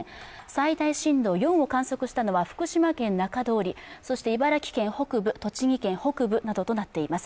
最大震度４を観測したのは福島県中通りそして茨城県北部、栃木県北部などとなっています。